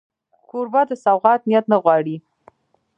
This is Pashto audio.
کوربه د سوغات نیت نه غواړي.